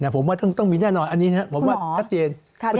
ผมว่าต้องมีแน่นอนอนี้ข้าเจน